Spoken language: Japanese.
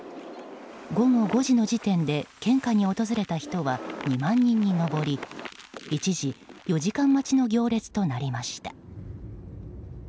午後５時の時点で献花に訪れた人は２万人に上り、一時４時間待ちの行列となりました。